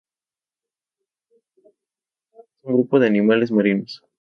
Es un grupo de animales marinos.